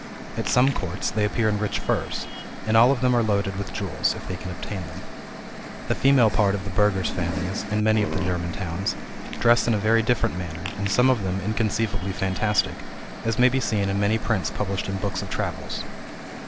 At some courts, they appear in rich furs: and all of them are loaded with jewels, if they can obtain them. The female part of the burgher's families, in many of the German towns, dress in a very different manner, and some of them inconceivably fantastic, as may be seen in many prints published in books of travels.